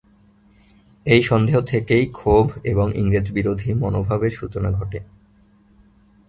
এই সন্দেহ থেকেই ক্ষোভ এবং ইংরেজ বিরোধী মনোভাবের সূচনা ঘটে।